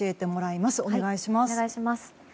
お願いします。